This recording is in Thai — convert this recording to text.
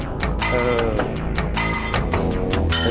สุดยอดเห็นเลยนะครับ